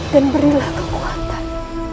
dan berilah kekuatan